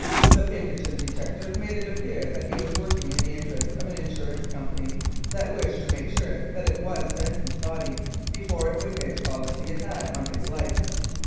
The Pinkerton detective made it appear that he was working in the interest of an insurance company that wished to make sure that it was Benson's body before it would pay the policy it had on his life.